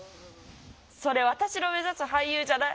それ私の目指す俳優じゃない。